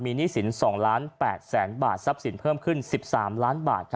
หนี้สิน๒ล้าน๘แสนบาททรัพย์สินเพิ่มขึ้น๑๓ล้านบาท